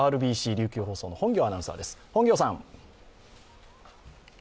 琉球放送の本行アナウンサーです。